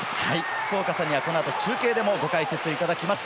福岡さんには、このあと中継でもご解説いただきます。